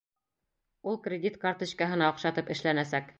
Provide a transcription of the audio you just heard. Ул кредит карточкаһына оҡшатып эшләнәсәк.